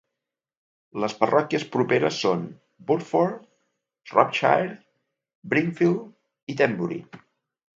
Les parròquies properes són Burford, Shropshire, Brimfield i Tenbury.